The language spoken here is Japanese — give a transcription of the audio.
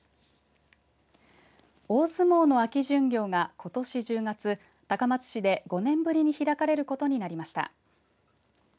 大相撲の秋巡業がことし１０月高松市で５年ぶりに開かれることになりました。